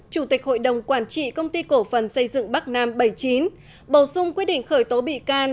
chủ tịch hội đồng quản trị công ty cổ phần xây dựng bắc nam bảy mươi chín bầu sung quyết định khởi tố bị can